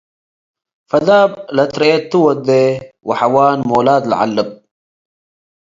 ፈዳብ አተርኤቱ ወዴ ወሐዋን ሞላድ ለዐልብ።